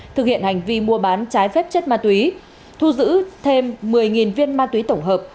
thực hiện hành vi mua bán trái phép chất ma túy thu giữ thêm một mươi viên ma túy tổng hợp